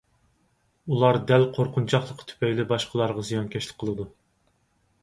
ئۇلار دەل قورقۇنچاقلىقى تۈپەيلى باشقىلارغا زىيانكەشلىك قىلىدۇ.